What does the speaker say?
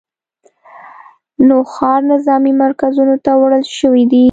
نوښار نظامي مرکزونو ته وړل شوي دي